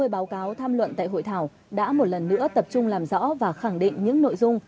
ba mươi báo cáo tham luận tại hội thảo đã một lần nữa tập trung làm rõ và khẳng định những nội dung